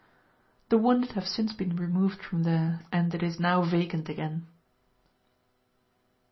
(The wounded have since been removed from there, and it is now vacant again.)